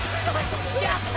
やった！